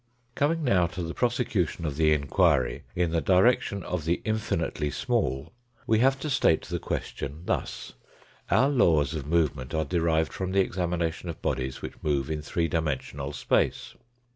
Coming now to the prosecution of the inquiry in the direction of the infinitely small, we have to state the question thus : Our laws of movement are derived from the examination of bodies which move in three dimensional space.